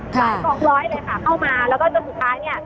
กองร้อยเลยค่ะเข้ามาแล้วก็จนสุดท้ายเนี่ย